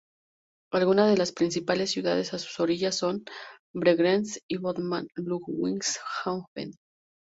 Algunas de las principales ciudades a sus orillas son: Bregenz y Bodman-Ludwigshafen.